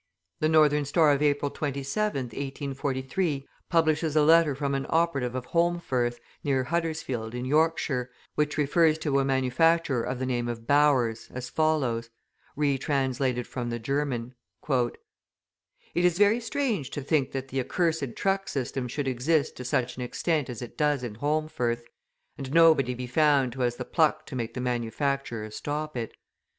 The Northern Star of April 27th, 1843, publishes a letter from an operative of Holmfirth, near Huddersfield, in Yorkshire, which refers to a manufacturer of the name of Bowers, as follows (retranslated from the German): "It is very strange to think that the accursed truck system should exist to such an extent as it does in Holmfirth, and nobody be found who has the pluck to make the manufacturer stop it.